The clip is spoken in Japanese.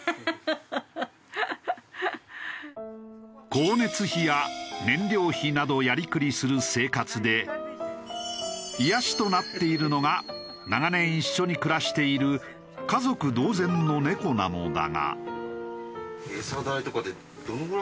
光熱費や燃料費などやりくりする生活で癒やしとなっているのが長年一緒に暮らしている家族同然の猫なのだが。